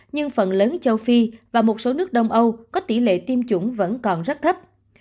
nhưng phần lớn châu phi và một số nước đông âu có tỷ lệ tiêm chủng vẫn còn rất thấp